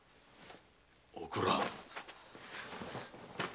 おくら。